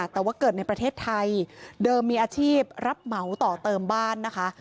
แต่ว่าเกิดในประเทศไทยเดิมมีอาชีพรับเหมาต่อเติมบ้านนะคะ